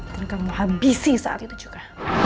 dan kamu habisi saat itu juga